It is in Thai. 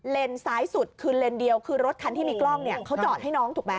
ซ้ายสุดคือเลนส์เดียวคือรถคันที่มีกล้องเนี่ยเขาจอดให้น้องถูกไหม